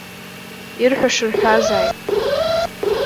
Ирҳәаша рҳәазааит!